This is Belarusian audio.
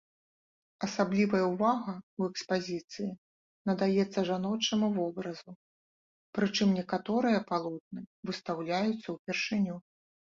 Асаблівая ўвага ў экспазіцыі надаецца жаночаму вобразу, прычым некаторыя палотны выстаўляюцца ўпершыню.